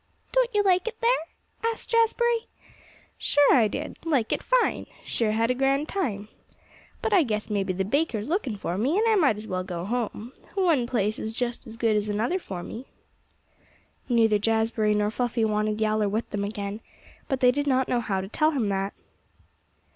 "Don't you like it there?" asked Jazbury. "Sure I did. Like it fine. Sure had a grand time. But I guess maybe the baker's looking for me, and I might as well go home. One place's just as good as another for me." Neither Jazbury nor Fluffy wanted Yowler with them again, but they did not know how to tell him that.